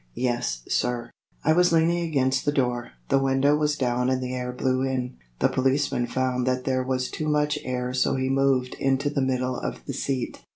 "Yes, sir." I was leaning against the door. The window was down and the air blew in. The policeman found that there was too much air so he moved into the middle of the seat.